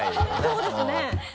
そうですね。